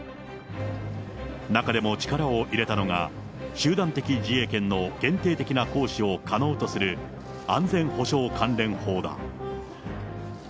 中でも力を入れたのが、集団的自衛権の限定的な行使を可能とする、安全保障関連法だ。